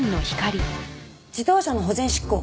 自動車の保全執行。